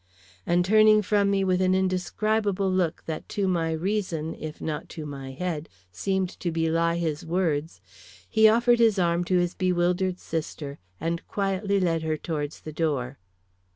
And turning from me with an indescribable look that to my reason, if not to my head, seemed to belie his words, he offered his arm to his bewildered sister and quietly led her towards the door.